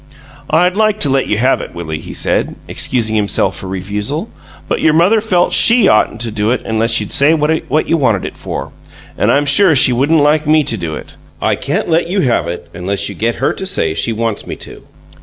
"I'd like to let you have it, Willie," he said, excusing himself for refusal, "but your mother felt SHE oughtn't to do it unless you'd say what you wanted it for, and I'm sure she wouldn't like me to do it. I can't let you have it unless you get her to say she wants me to."